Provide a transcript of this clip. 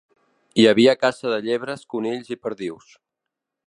Hi havia caça de llebres, conills i perdius.